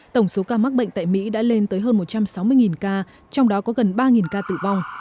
tổng số ca mắc bệnh tại mỹ đã lên tới hơn một trăm sáu mươi ca trong đó có gần ba ca tử vong